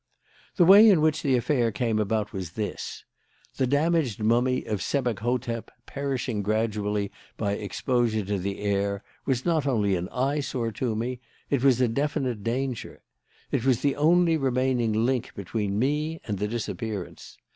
"The way in which the affair came about was this: The damaged mummy of Sebek hotep, perishing gradually by exposure to the air, was not only an eyesore to me: it was a definite danger. It was the only remaining link between me and the disappearance.